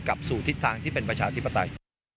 กลับสู่ทิศทางที่เป็นประชาธิปไตย